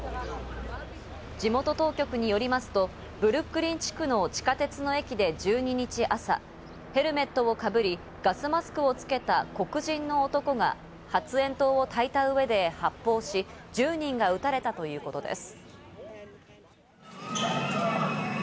地元当局によりますと、ブルックリン地区の地下鉄の駅で１２日朝、ヘルメットをかぶりガスマスクをつけた黒人の男が発煙筒をたいた上で発砲し、１０人が撃たれたということです。